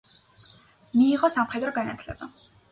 მიიღო სამხედრო განათლება.